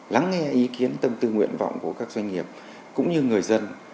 lắng nghe ý kiến tâm tư nguyện vọng của các doanh nghiệp cũng như người dân